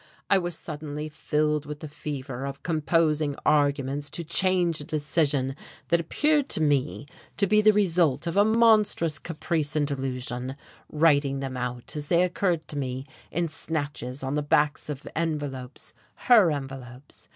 I was suddenly filled with the fever of composing arguments to change a decision that appeared to me to be the result of a monstrous caprice and delusion; writing them out, as they occurred to me, in snatches on the backs of envelopes her envelopes.